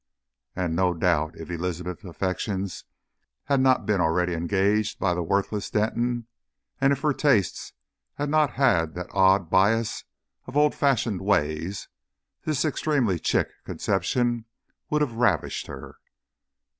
And no doubt, if Elizabeth's affection had not been already engaged by the worthless Denton, and if her tastes had not had that odd bias for old fashioned ways, this extremely chic conception would have ravished her.